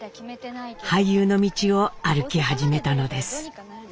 俳優の道を歩き始めたのです。